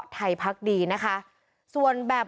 กรุงเทพฯมหานครทำไปแล้วนะครับ